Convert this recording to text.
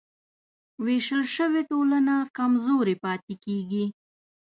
وېشل شوې ټولنه کمزورې پاتې کېږي.